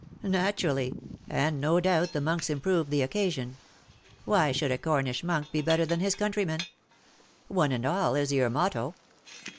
" Naturally — and no doubt the monks improved the occasion. "Why should a Cornish monk be better than his countrymen ? ^One and alF is your motto."